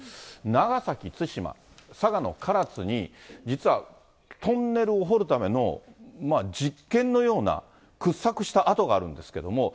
長崎・対馬、佐賀の唐津に、実はトンネルを掘るための実験のような掘削した跡があるんですけども。